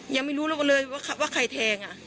ยังไม่รู้เราก็เลยว่าใครแทง